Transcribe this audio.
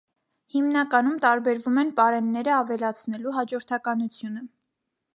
Հիմնականում տարբերվում են պարենները ավելացնելու հաջորդականությունը։